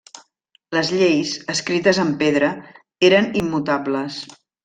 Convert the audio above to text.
Les lleis, escrites en pedra, eren immutables.